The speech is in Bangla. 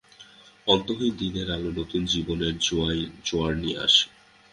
অন্তহীন দিনের আলো নতুন জীবনের জোয়ার নিয়ে আসে।